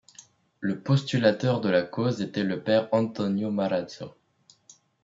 Le postulateur de la cause était le Père Antonio Marrazzo.